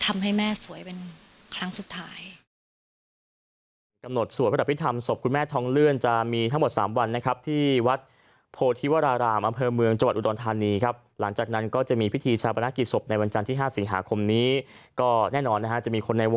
เราจะเอาไปทำให้แม่สวยครั้งสุดท้าย